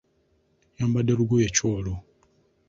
Oyambadde lugoye ki olwo?